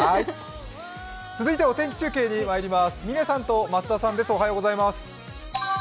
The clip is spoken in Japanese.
続いてはお天気中継にまいります。